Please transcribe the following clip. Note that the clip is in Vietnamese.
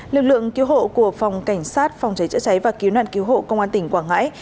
lực lượng cứu hộ của phòng cảnh sát phòng cháy chữa cháy và cứu nạn cứu hộ công an tỉnh quảng ngãi